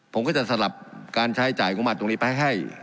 ผมก็จะสลับการใช้จ่ายงบมัดตรงนี้ไปให้